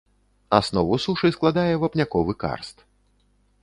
Аснову сушы складае вапняковы карст.